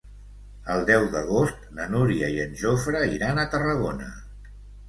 El deu d'agost na Núria i en Jofre iran a Tarragona.